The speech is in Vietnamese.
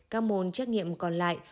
các môn trắc nghiệm còn lại